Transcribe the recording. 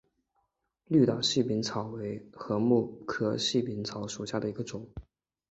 绿岛细柄草为禾本科细柄草属下的一个种。